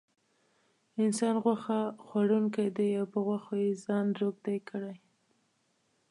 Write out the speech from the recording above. انسان غوښه خوړونکی دی په غوښو یې ځان روږدی کړی.